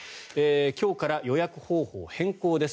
今日から予約方法を変更です。